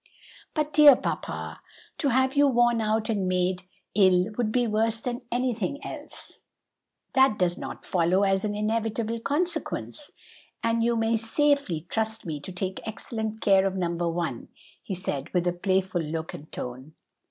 "But, dear papa, to have you worn out and made ill would be worse than anything else." "That does not follow as an inevitable consequence, and you may safely trust me to take excellent care of number one," he said, with playful look and tone.